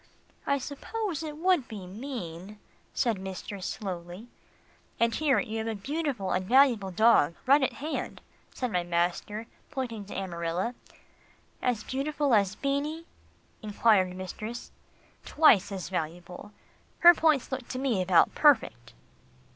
"I suppose it would be mean," said mistress slowly. "And here you have a beautiful and valuable dog right at hand," said my master, pointing to Amarilla. "As valuable as Beanie?" enquired mistress. "Twice as valuable. Her points look to me about perfect."